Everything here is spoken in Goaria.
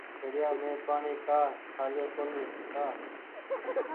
گھڙيآ مين پآڻيٚ ڪآ ڇآليو ڪونيٚ ڪآ